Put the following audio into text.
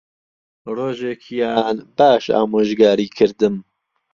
ڕۆژێکیان باش ئامۆژگاریی کردم